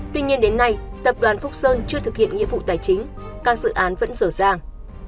tuy nhiên đến nay tập đoàn phúc sơn chưa thực hiện nhiệm vụ tài chính các dự án vẫn sở ràng